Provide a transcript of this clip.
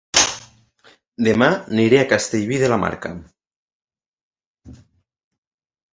Dema aniré a Castellví de la Marca